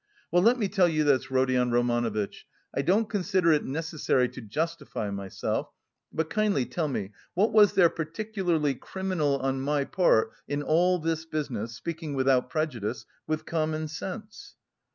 Well, let me tell you this, Rodion Romanovitch, I don't consider it necessary to justify myself, but kindly tell me what was there particularly criminal on my part in all this business, speaking without prejudice, with common sense?"